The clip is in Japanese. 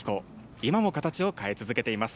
今も形を変え続けています。